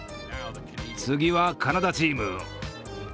次はカナダチーム。